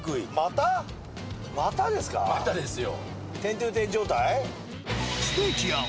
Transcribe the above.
またですよ。